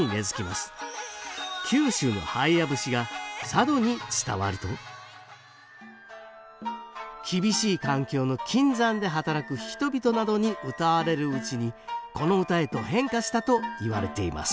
九州の「ハイヤ節」が佐渡に伝わると厳しい環境の金山で働く人々などにうたわれるうちにこの唄へと変化したといわれています